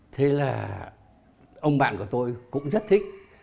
thế là ông bạn của tôi cũng rất thích